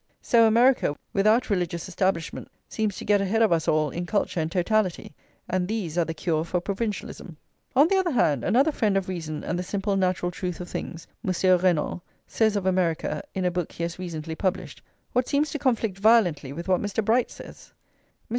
So America, without religious establishments, seems to get ahead of us all in culture and totality; and these are the cure for provincialism. On the other hand, another friend of reason and the simple natural truth of things, Monsieur Renan, says of America, in a book he has recently published, what seems to conflict violently with [xxvii] what Mr. Bright says. Mr.